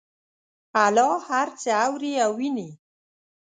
الله هر څه اوري او ویني